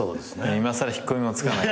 いまさら引っ込みもつかない。